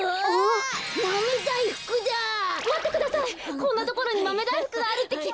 こんなところにまめだいふくがあるってきっと。